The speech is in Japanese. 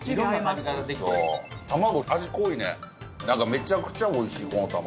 めちゃくちゃおいしいこの卵。